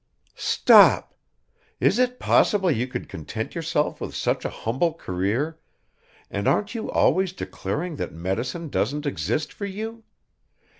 "Stop! Is it possible you could content yourself with such a humble career, and aren't you always declaring that medicine doesn't exist for you?